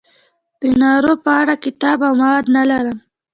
د نارو په اړه کتاب او مواد نه لرم.